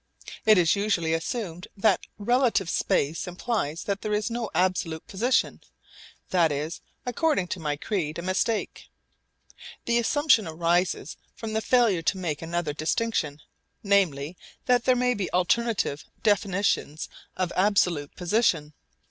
It is usually assumed that relative space implies that there is no absolute position. This is, according to my creed, a mistake. The assumption arises from the failure to make another distinction; namely, that there may be alternative definitions of absolute position.